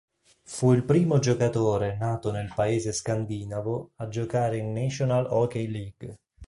Fu il primo giocatore nato nel paese scandinavo a giocare in National Hockey League.